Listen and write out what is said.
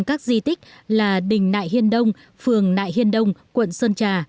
các di tích là đình nại hiên đông phường nại hiên đông quận sơn trà